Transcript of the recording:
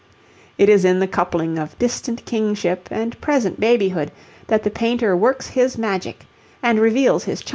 It is in the coupling of distant kingship and present babyhood that the painter works his magic and reveals his charm.